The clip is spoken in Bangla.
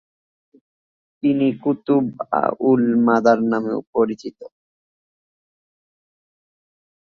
তিনি কুতুব-উল-মাদার নামেও পরিচিত।